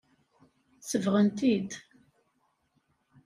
Sebɣen-t-id.